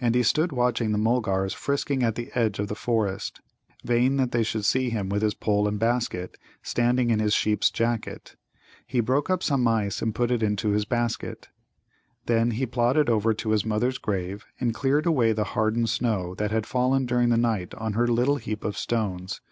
And he stood watching the Mulgars frisking at the edge of the forest, vain that they should see him with his pole and basket, standing in his sheep's jacket. He broke up some ice and put in into his basket. Then he plodded over to his mother's grave and cleared away the hardened snow that had fallen during the night on her little heap of stones.